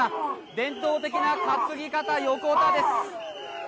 伝統的な担ぎ方ヨコタです。